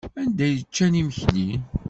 Anda ay ččant imekli?